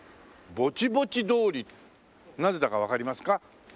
ボチボチ通りなぜだかわかりますか？